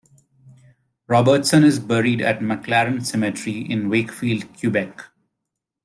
Robertson is buried at Maclaren Cemetery in Wakefield, Quebec.